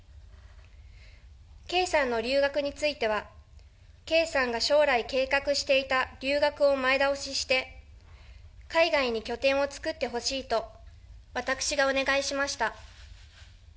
圭さんの留学については、圭さんが将来、計画していた留学を前倒しして、海外に拠点を作ってほしいと、私がお願いしました。